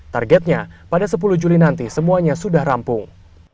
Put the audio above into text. targetnya pada sepuluh juli nanti semuanya sudah rampung